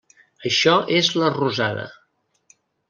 Això és la rosada.